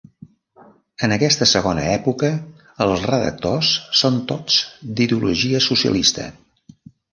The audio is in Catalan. En aquesta segona època els redactors són tots d'ideologia socialista.